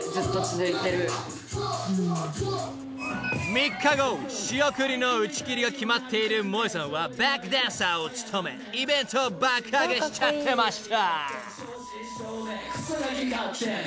［３日後仕送りの打ち切りが決まっているモエさんはバックダンサーを務めイベントを爆アゲしちゃってました］